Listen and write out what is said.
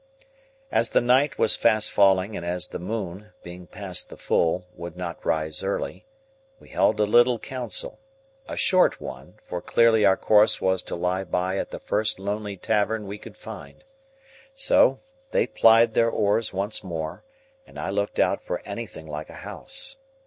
As the night was fast falling, and as the moon, being past the full, would not rise early, we held a little council; a short one, for clearly our course was to lie by at the first lonely tavern we could find. So, they plied their oars once more, and I looked out for anything like a house.